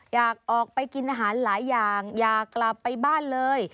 อยากออกไปกินอาหารหลายอย่างอยากกลับไปบ้านเลย